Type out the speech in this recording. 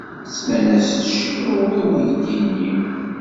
Semman-as Shiro i uydi-nni.